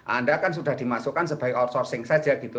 anda kan sudah dimasukkan sebagai outsourcing saja gitu